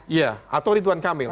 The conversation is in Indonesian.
iya atau rituan kamil